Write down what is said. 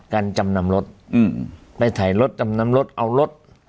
จำนำรถไปถ่ายรถจำนำรถเอารถ